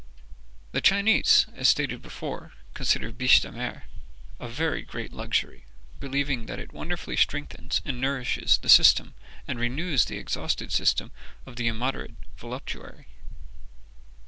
"The Chinese, as before stated, consider biche de mer a very great luxury, believing that it wonderfully strengthens and nourishes the system, and renews the exhausted system of the immoderate voluptuary.